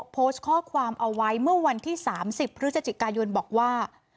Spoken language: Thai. โพสต์ข้อความเอาไว้เมื่อวันที่๓๐พฤศจิกายนบอกว่า